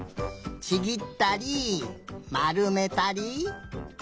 ちぎったりまるめたり。